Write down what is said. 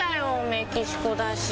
メキシコだし。